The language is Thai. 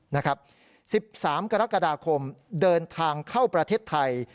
๑๓กรกฎาคมเดินทางเข้าประเทศไทย